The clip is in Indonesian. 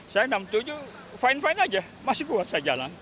saya enam puluh tujuh fine fine aja masih buat saya jalan